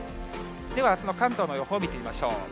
では、あすの関東の予報、見てみましょう。